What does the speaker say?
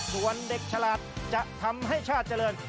ส่วนเด็กฉลาดจะทำให้ชาติเจริญ